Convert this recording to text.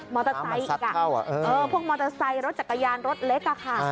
มอเตอร์ไซค์อีกพวกมอเตอร์ไซค์รถจักรยานรถเล็กค่ะ